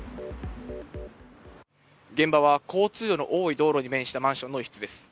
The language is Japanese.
現場は交通量の多い道路に面したマンションの一室です。